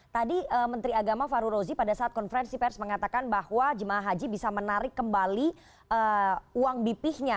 tadi menteri agama faru rozi pada saat konferensi pers mengatakan bahwa jemaah haji bisa menarik kembali uang bph nya